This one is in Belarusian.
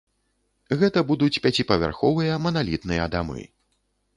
Гэта будуць пяціпавярховыя маналітныя дамы.